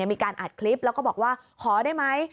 มีการอัดคลิปแล้วก็บอกว่าขอได้ไหม